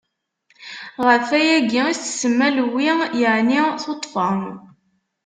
Ɣef wayagi i s-tsemma Lewwi, yeɛni tuṭṭfa.